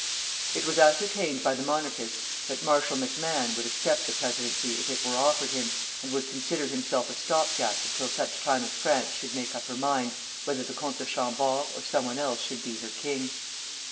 It was ascertained by the Monarchists that Marshal MacMahon would accept the presidency if it were offered him, and would consider himself a stop gap until such time as France should make up her mind whether the Comte de Chambord or some one else should be her king.